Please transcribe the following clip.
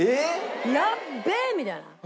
やっべ！みたいな。